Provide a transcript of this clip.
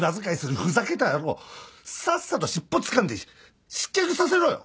ふざけた野郎さっさと尻尾つかんで失脚させろよ！